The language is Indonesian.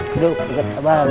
duduk dekat kak bang